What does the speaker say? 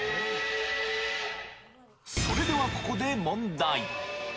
それではここで問題。